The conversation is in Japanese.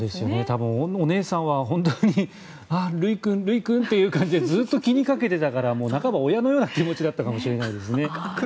多分、お姉さんは本当にルイ君、ルイ君とずっと気にかけていたから半ば親のような気持ちだったかもしれませんね。